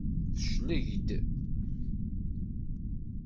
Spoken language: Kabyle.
Tecleg-d.